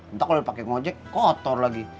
entah kalo dia pake ngojek kotor lagi